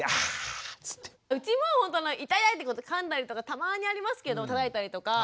うちも痛い！ってことかんだりとかたまにありますけどたたいたりとか。